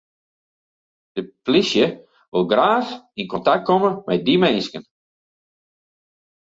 De polysje wol graach yn kontakt komme mei dy minsken.